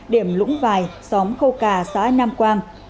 điểm lũng vài xóm khâu cà xã nam quang